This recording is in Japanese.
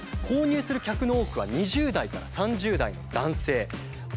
購入する客の多くは２０代から３０代の男性。